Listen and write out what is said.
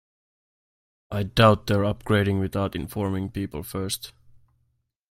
I doubt they're upgrading without informing people first.